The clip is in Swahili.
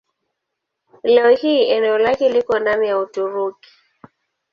Leo hii eneo lake liko ndani ya Uturuki.